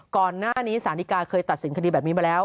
ก่อนหน้านี้สารดีกาเคยตัดสินคดีแบบนี้มาแล้ว